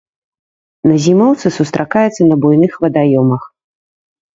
На зімоўцы сустракаецца на буйных вадаёмах.